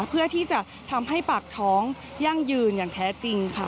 เพื่อที่จะทำให้ปากท้องยั่งยืนอย่างแท้จริงค่ะ